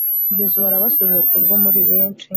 yozuwe arabasubiza ati ubwo muri benshi